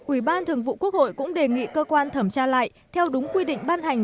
ủy ban thường vụ quốc hội cũng đề nghị cơ quan thẩm tra lại theo đúng quy định ban hành